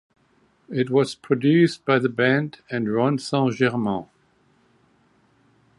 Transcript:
It was produced by the band and Ron Saint Germain.